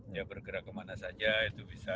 dia bergerak kemana saja itu bisa